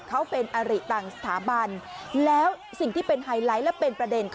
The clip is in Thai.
เขาเป็นอริตังษ์ถามบรรยายแล้วสิ่งที่เป็นไฮไลท์และเป็นประเด็นนี่